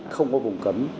không có vùng cấm